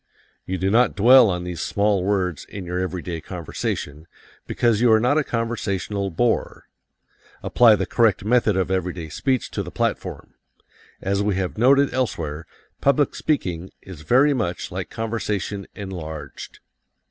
You do not dwell on these small words in your everyday conversation, because you are not a conversational bore. Apply the correct method of everyday speech to the platform. As we have noted elsewhere, public speaking is very much like conversation enlarged.